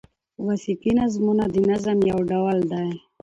وصفي نظمونه د نظم یو ډول دﺉ.